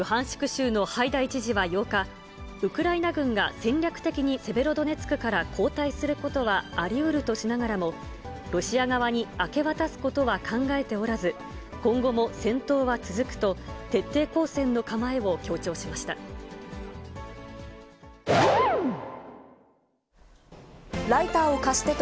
州のハイダイ知事は８日、ウクライナ軍が戦略的にセベロドネツクから後退することはありうるとしながらも、ロシア側に明け渡すことは考えておらず、今後も戦闘は続くと、徹底抗戦の構えを強調しました。